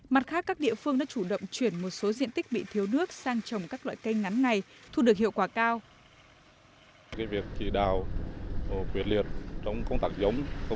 mặt khác các địa phương đã chủ động chuyển một số diện tích bị thiếu nước sang trồng các loại cây ngắn ngày thu được hiệu quả cao